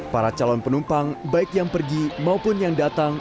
para calon penumpang baik yang pergi maupun yang datang